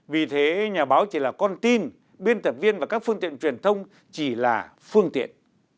vì thế nhà báo chỉ là con tin biên tập viên và các phương tiện truyền thông chỉ là phương tiện